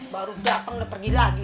baru datang udah pergi lagi